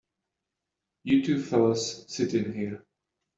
You two fellas sit in here.